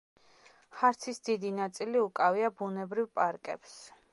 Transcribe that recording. ჰარცის დიდი ნაწილი უკავია ბუნებრივ პარკებს.